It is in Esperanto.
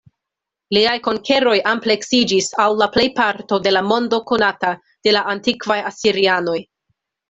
Liaj konkeroj ampleksiĝis al la plejparto de la mondo konata de la antikvaj asirianoj.